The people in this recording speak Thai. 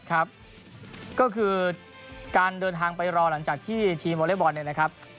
ครับก็คือการเดินทางไปรอหลังจากที่ทีมวอเล็กบอลเนี่ยนะครับ